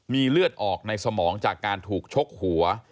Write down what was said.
มีเลือดออกในสมองจากการถูกชกหัว